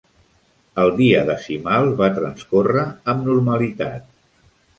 El dia Decimal va transcórrer amb normalitat.